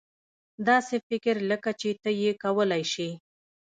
داسې فکر لکه چې ته یې کولای شې.